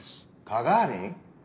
カガーリン？